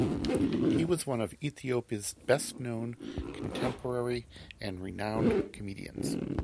He was one of Ethiopia's best known contemporary and renowned comedians.